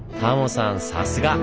さすが！